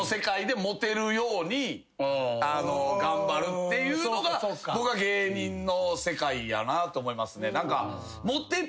っていうのが僕は芸人の世界やなと思いますね。